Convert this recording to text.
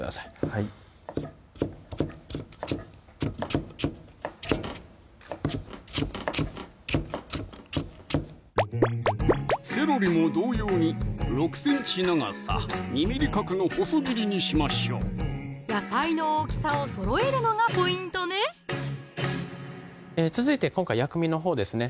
はいセロリも同様に６ｃｍ長さ・２ｍｍ角の細切りにしましょう野菜の大きさをそろえるのがポイントね続いて今回薬味のほうですね